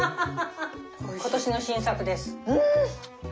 今年の新作です。